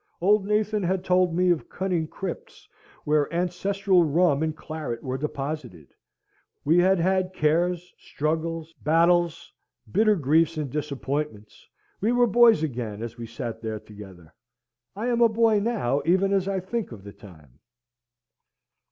Old Nathan had told me of cunning crypts where ancestral rum and claret were deposited. We had had cares, struggles, battles, bitter griefs, and disappointments; we were boys again as we sat there together. I am a boy now even as I think of the time.